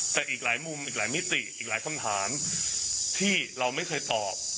แต่อีกหลายมุมอีกหลายมิติอีกหลายคำถามที่เราไม่เคยตอบ